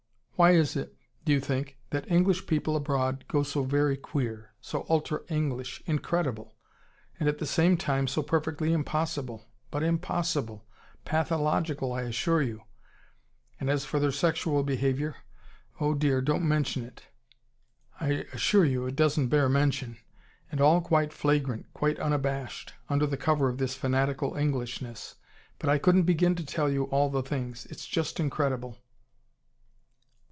Why is it, do you think, that English people abroad go so very QUEER so ultra English INCREDIBLE! and at the same time so perfectly impossible? But impossible! Pathological, I assure you. And as for their sexual behaviour oh, dear, don't mention it. I assure you it doesn't bear mention. And all quite flagrant, quite unabashed under the cover of this fanatical Englishness. But I couldn't begin to TELL you all the things. It's just incredible."